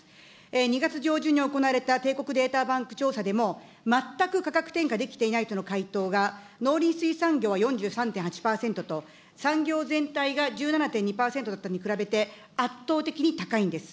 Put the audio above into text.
２月上旬に行われた帝国データバンク調査でも、全く価格転嫁できていないとの回答が、農林水産業は４３．８％と、産業全体が１７．２％だったのに比べて、圧倒的に高いんです。